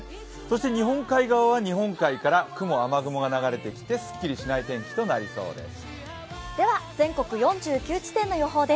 日本海側は日本海から雲、雨雲が流れてきて、すっきりしない天気となりそうです。